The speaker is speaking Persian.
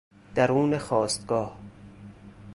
درون خاستگاه